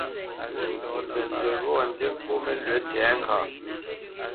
Nzənzí ghɔ́ ndí ŋkô nəlwʉ̌ tɛ̌ŋkaʼ.